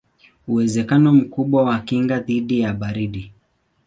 Uwezekano mkubwa ni kinga dhidi ya baridi.